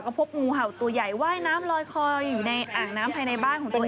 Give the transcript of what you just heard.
ก็พบงูเห่าตัวใหญ่ว่ายน้ำลอยคออยู่ในอ่างน้ำภายในบ้านของตัวเอง